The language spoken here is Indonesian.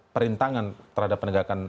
perintangan terhadap penegakan